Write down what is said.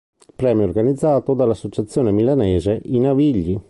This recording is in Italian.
Il premio è organizzato dall'associazione milanese "I Navigli".